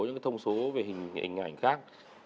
những cái thông số về hình ảnh khác